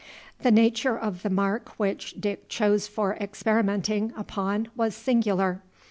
The nature of the mark which Dick chose for experimenting upon was singular.